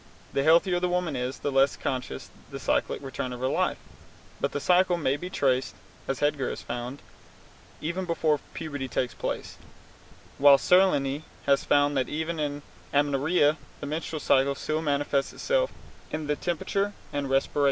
The healthier the woman is, the less conscious is the cyclic return of her life, but the cycle may be traced (as Hegar has found) even before puberty takes place, while Salerni has found that even in amenorrhoea the menstrual cycle still manifests itself in the temperature and respiration.